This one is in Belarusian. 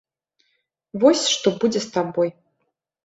Вось што будзе з табой.